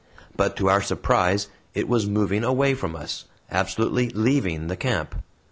But, to our surprise, it was moving away from us absolutely LEAVING the camp!